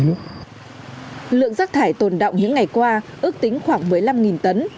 lượng rác thải tồn động những ngày qua ước tính khoảng một mươi năm tấn